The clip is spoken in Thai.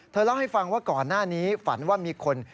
เล่าให้ฟังว่าก่อนหน้านี้ฝันว่ามีคน